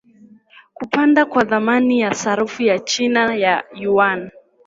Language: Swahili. kupanda kwa thamani ya sarafu ya china ya yuan